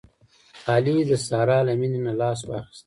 علي د سارې له مینې نه لاس واخیست.